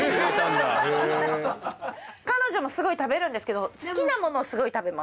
彼女もすごい食べるんですけど好きなものをすごい食べます。